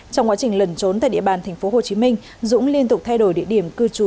trong quá trình lần trốn tại địa bàn tp hcm dũng liên tục thay đổi địa điểm cư trú